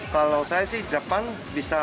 kalau saya sih depan bisa